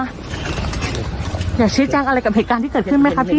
อยากชี้แจ้งอะไรกับเหตุการณ์ที่เกิดขึ้นไหมคะพี่